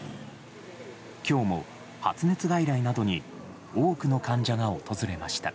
今日も発熱外来などに多くの患者が訪れました。